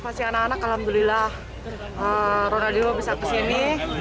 pasti anak anak alhamdulillah ronaldinho bisa kesini